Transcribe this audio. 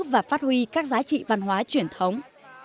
và phát huy các giá trị văn hóa truyền thống